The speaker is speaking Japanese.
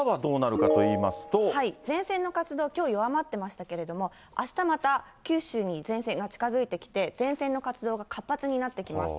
前線の活動、きょうは弱まっていましたけれども、あしたまた、九州に前線が近づいてきて、前線の活動が活発になってきます。